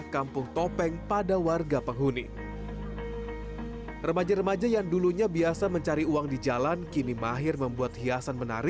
kampung topeng jawa timur